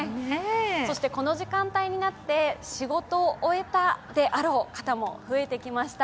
そしてこの時間帯になって仕事を終えたであろう方も増えてきました。